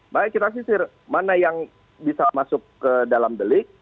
baik kita sisir mana yang bisa masuk ke dalam delik